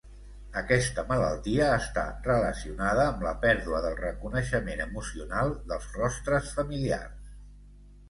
Aquesta malaltia està relacionada amb la pèrdua del reconeixement emocional dels rostres familiars.